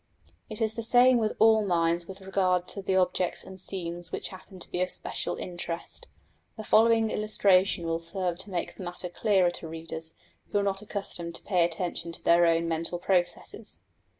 It is the same with all minds with regard to the objects and scenes which happen to be of special interest. The following illustration will serve to make the matter clearer to readers who are not accustomed to pay attention to their own mental processes.